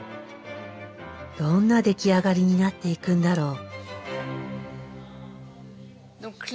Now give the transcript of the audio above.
どんな出来上がりになっていくんだろう。